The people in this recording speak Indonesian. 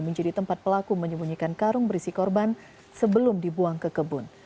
menjadi tempat pelaku menyembunyikan karung berisi korban sebelum dibuang ke kebun